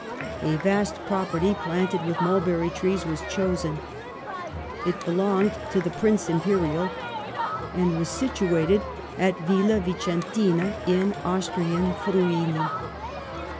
A vast property, planted with mulberry trees, was chosen. It belonged to the Prince Imperial, and was situated at Villa Vi centina, in Austrian Friuli.